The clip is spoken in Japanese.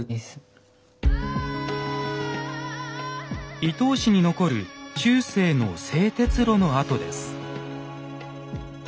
伊東市に残る中世の製鉄炉の跡です。